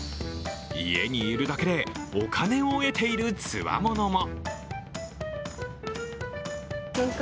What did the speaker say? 家にいるだけで、お金を得ているつわものも。